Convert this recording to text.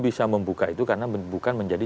bisa membuka itu karena bukan menjadi